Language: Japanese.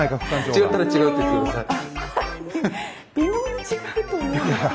違ったら違うって言って下さい。